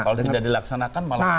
kalau tidak dilaksanakan